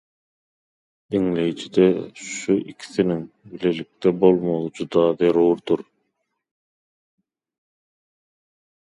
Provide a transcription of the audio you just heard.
Diňleýijide şu ikisiniň bilelikde bolmagy juda zerurdyr.